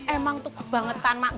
emang tuh kebangetan mak